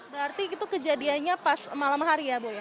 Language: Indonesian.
berarti itu kejadiannya pas malam hari ya bu ya